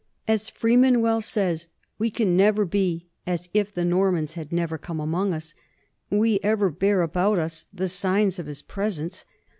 As Freeman well says: "We can never be as if the Norman had never come among us. We ever bear about us the signs of his presence.